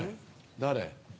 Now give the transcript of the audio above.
誰？